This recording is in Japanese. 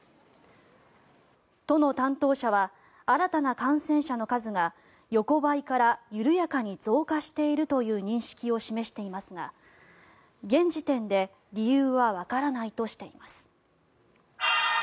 都の担当者は新たな感染者の数が横ばいから緩やかに増加しているという認識を示していますが現時点で理由はわからないとしています。